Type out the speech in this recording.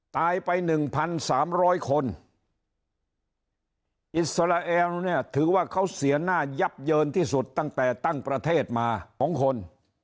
ตายไปหนึ่งพันสามร้อยคนอิสราเอลเนี่ยถือว่าเขาเสียหน้ายับเยินที่สุดตั้งแต่ตั้งประเทศมาของคน